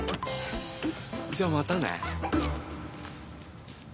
じゃあまたね。